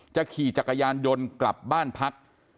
ขี่จักรยานยนต์กลับบ้านพัก